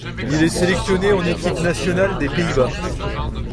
Il est sélectionné en équipe nationale des Pays-Bas.